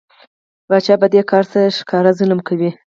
پاچا په دې کار سره ښکاره ظلم کوي.